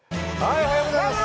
おはようございます。